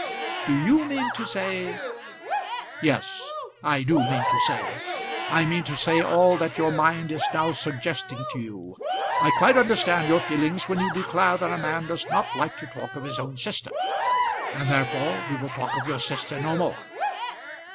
"Do you mean to say ?" "Yes, I do mean to say! I mean to say all that your mind is now suggesting to you. I quite understand your feelings when you declare that a man does not like to talk of his own sister, and therefore we will talk of your sister no more.